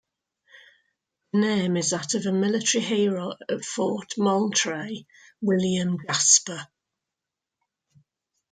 The name is that of a military hero at Fort Moultrie, William Jasper.